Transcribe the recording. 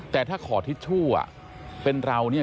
แต่ถ้าขอทิชชู่เป็นเรานี่